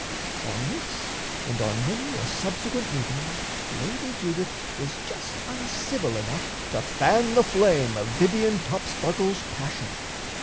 On this, and on many a subsequent meeting, Lady Judith was just uncivil enough to fan the flame of Vivian Topsparkle's passion.